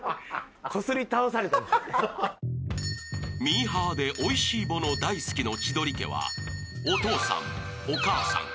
［ミーハーでおいしいもの大好きの千鳥家は］